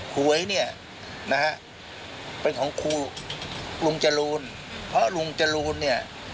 หวยเนี่ยนะฮะเป็นของครูลุงจรูนเพราะลุงจรูนเนี่ย